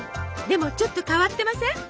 でもちょっと変わってません？